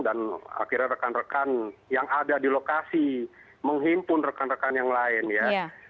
dan akhirnya rekan rekan yang ada di lokasi menghimpun rekan rekan yang lain ya